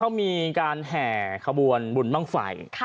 เขามีการแห่ขบวนบุญบ้างไฟ